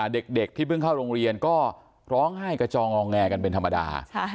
เด็กที่เพิ่งเข้าโรงเรียนก็ร้องไห้กระจองงอแงกันเป็นธรรมดา